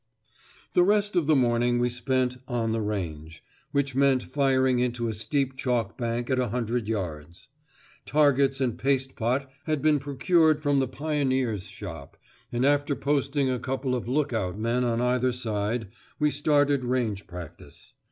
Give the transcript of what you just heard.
The rest of the morning we spent "on the range," which meant firing into a steep chalk bank at a hundred yards. Targets and paste pot had been procured from the pioneers' shop, and after posting a couple of "look out" men on either side, we started range practice.